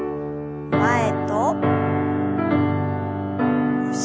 前と後ろへ。